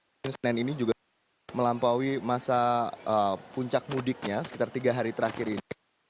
senin ini juga melampaui masa puncak mudiknya sekitar tiga hari terakhir ini